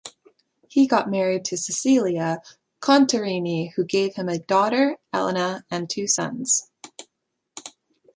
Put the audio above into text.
He got married to Cecilia Contarini who gave him a daughter, Elena, and two sons.